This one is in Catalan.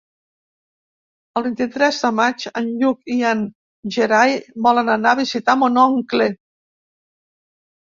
El vint-i-tres de maig en Lluc i en Gerai volen anar a visitar mon oncle.